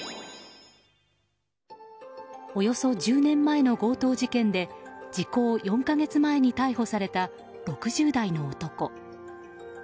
およそ１０年前の強盗事件で時効４か月前に逮捕された６０代の男。